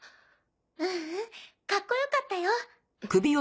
ううんかっこよかったよ。